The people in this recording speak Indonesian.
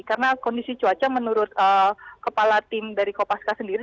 karena kondisi cuaca menurut kepala tim dari kopaska sendiri